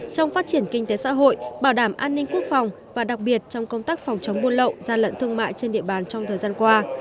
trong phát triển kinh tế xã hội bảo đảm an ninh quốc phòng và đặc biệt trong công tác phòng chống buôn lậu gian lận thương mại trên địa bàn trong thời gian qua